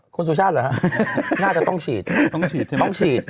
คนสุชาติเหรอครับน่าจะต้องฉีดต้องฉีด